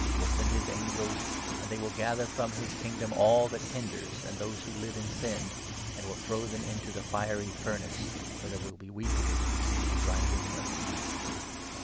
The Son of Man will send his angels, and they will 41 gather from his kingdom all that hinders and those who live in sin, and 'will throw them into the fiery furnace,' where 42 there will be weeping and grinding of teeth.